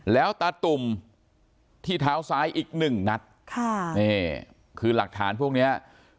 แล้วตาตุ่มที่เท้าซ้ายอีกหนึ่งนัดค่ะนี่คือหลักฐานพวกเนี้ย